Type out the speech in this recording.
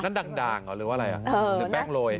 นั่นดังเหรอว่าอะไรอ่ะหรือแป๊งโลย